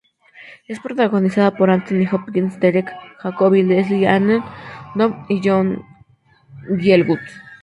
Es protagonizada por Anthony Hopkins, Derek Jacobi, Lesley-Anne Down y John Gielgud.